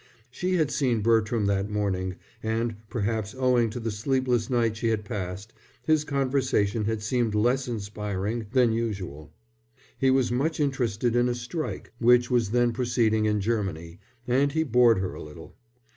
She had seen Bertram that morning; and, perhaps owing to the sleepless night she had passed, his conversation had seemed less inspiring than usual. He was much interested in a strike which was then proceeding in Germany, and he bored her a little.